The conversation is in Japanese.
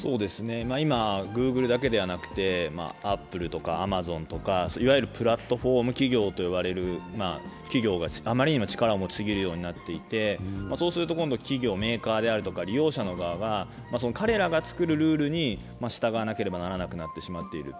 今、Ｇｏｏｇｌｅだけではなくてアップルとかアマゾンとかいわゆるプラットフォーム企業といわれる企業があまりにも力を持ちすぎていてそうすると今度、企業、メーカーであるとか利用者の側が彼らが作るルールに従わなければならなくなってしまっている。